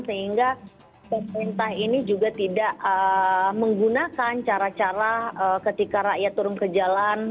sehingga pemerintah ini juga tidak menggunakan cara cara ketika rakyat turun ke jalan